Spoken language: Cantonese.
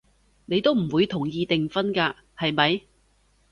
你都唔會同意訂婚㗎，係咪？